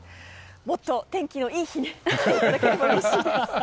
もっと天気のいい日に来ていただけたらと思います。